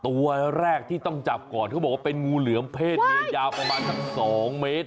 ตัวแรกที่ต้องจับก่อนเขาบอกว่าเป็นงูเหลือมเพศเมียยาวประมาณสัก๒เมตร